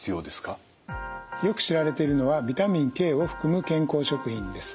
よく知られているのはビタミンＫを含む健康食品です。